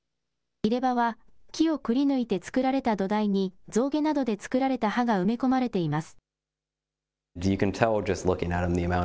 入れ歯は木をくりぬいて作られた土台に象牙などで作られた歯が埋め込まれています。